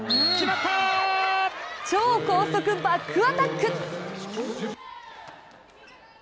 超高速バックアタック！